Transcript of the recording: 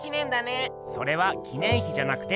それは「記念碑」じゃなくて「記念日」！